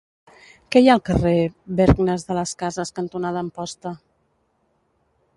Què hi ha al carrer Bergnes de las Casas cantonada Amposta?